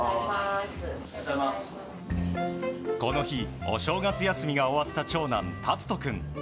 この日、お正月休みが終わった長男・尊君。